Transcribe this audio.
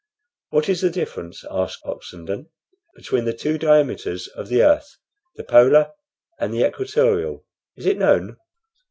"What is the difference," asked Oxenden, "between the two diameters of the earth, the polar and the equatorial? Is it known?"